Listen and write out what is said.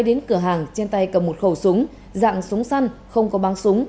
đến cửa hàng trên tay cầm một khẩu súng dạng súng săn không có băng súng